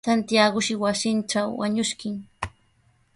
Santiagoshi wasintraw wañuskin.